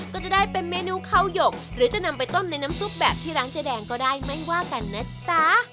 ก็จะได้เป็นเมนูข้าวหยกหรือจะนำไปต้มในน้ำซุปแบบที่ร้านเจ๊แดงก็ได้ไม่ว่ากันนะจ๊ะ